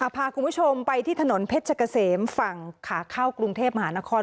พาคุณผู้ชมไปที่ถนนเพชรเกษมฝั่งขาเข้ากรุงเทพมหานคร